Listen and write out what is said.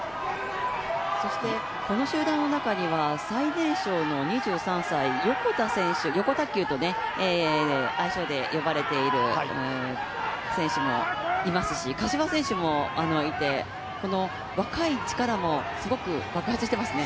そしてこの集団の中には最年少にはよこたっきゅうと呼ばれている選手横田選手もいますけど柏選手もいて、若い力もすごく爆発していますね。